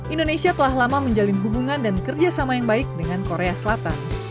indonesia telah lama menjalin hubungan dan kerjasama yang baik dengan korea selatan